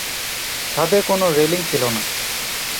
ছাদে কোনো রেলিং ছিল না!